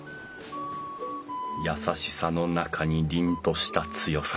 優しさの中に凜とした強さか。